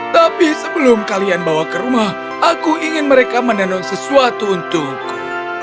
tapi sebelum kalian bawa ke rumah aku ingin mereka menenun sesuatu untukku